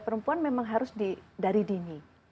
perempuan memang harus dari dini